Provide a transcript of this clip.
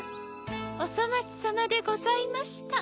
おそまつさまでございました。